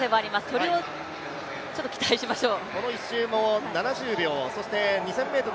それをちょっと期待しましょう。